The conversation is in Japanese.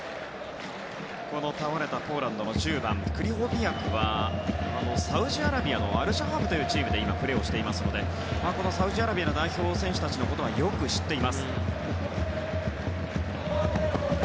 倒れたポーランドの１０番、クリホビアクはサウジアラビアのアルシャハブというチームで今、プレーしているのでサウジアラビアの代表選手たちのことはよく知っています。